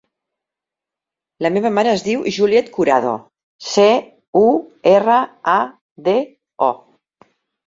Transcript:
La meva mare es diu Juliet Curado: ce, u, erra, a, de, o.